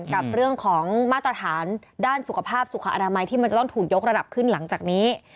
กับเรื่องของมาตรฐานด้านสุขภาพสุขอนามัยที่มันจะต้องถูกยกระดับขึ้นหลังจากนี้